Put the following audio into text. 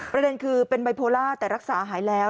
ประเด็นคือเป็นไบโพล่าแต่รักษาหายแล้ว